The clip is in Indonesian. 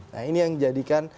nah ini yang menjadikan